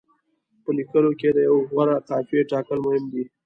په لیکلو کې د یوې غوره قافیې ټاکل مهم دي.